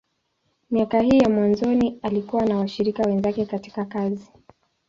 Miaka hii ya mwanzoni, alikuwa na washirika wenzake katika kazi.